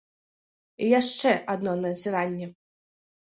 І яшчэ адно назіранне.